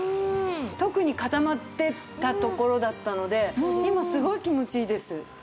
特に固まってたところだったので今すごい気持ちいいです。